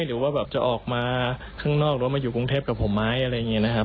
หรือว่าแบบจะออกมาข้างนอกหรือว่ามาอยู่กรุงเทพกับผมไหมอะไรอย่างนี้นะครับ